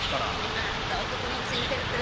あんた男のくせにペラペラペラペラ